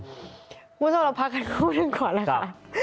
คุณผู้ชมเราพักกันคู่ก่อนละค่ะ